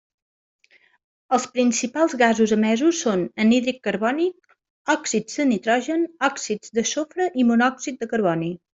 Els principals gasos emesos són anhídrid carbònic, òxids de nitrogen, òxids de sofre i monòxid de carboni.